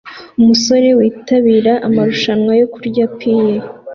Umusore witabira amarushanwa yo kurya pie